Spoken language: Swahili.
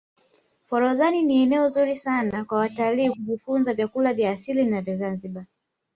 forodhani ni eneo zuri kwa watalii kujifunza vyakula vya asili ya zanzibar